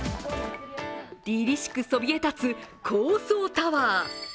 りりしくそびえ立つ高層タワー。